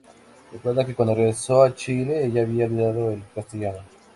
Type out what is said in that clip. Recuerda que cuando regresó a Chile, ella había olvidado el castellano.